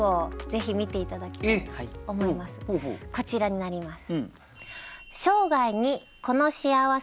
こちらになります。